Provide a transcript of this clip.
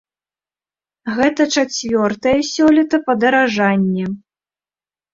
Гэта чацвёртае сёлета падаражанне.